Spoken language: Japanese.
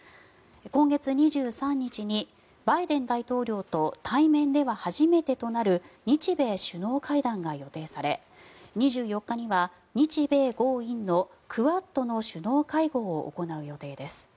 今月２３日にバイデン大統領と対面では初めてとなる日米首脳会談が予定され２４日には日米豪印のクアッドの首脳会合を行う予定です。